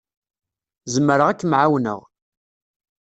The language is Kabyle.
Zemreɣ ad kem-ɛawneɣ.